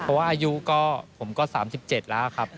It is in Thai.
เพราะว่าอายุก็ผมก็๓๗แล้วครับ